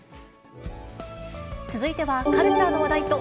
続いてはカルチャーの話題と